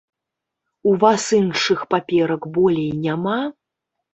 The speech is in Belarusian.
У вас іншых паперак болей няма?